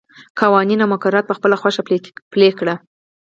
قوانین او مقررات په خپله خوښه پلي کړي.